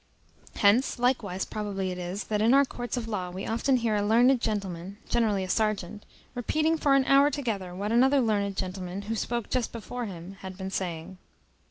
Hence, likewise, probably it is, that in our courts of law we often hear a learned gentleman (generally a serjeant) repeating for an hour together what another learned gentleman, who spoke just before him, had been saying.